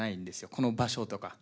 この場所とか。